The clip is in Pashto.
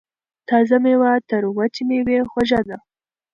تازه میوه تر وچې میوې غوره ده.